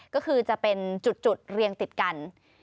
ก็คือจะเป็นจุดเรียงติดกัน